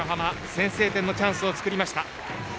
先制点のチャンスを作りました。